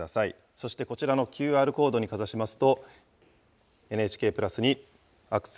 そしてこちらのＱＲコードにかざしますと、ＮＨＫプラスにアクセ